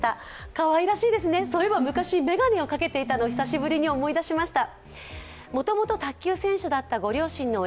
かわいらしいですねそういえば、眼鏡をかけていたのを久しぶりに思い出しました。